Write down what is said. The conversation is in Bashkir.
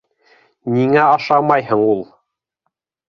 Ниңә ашамайһың ул?!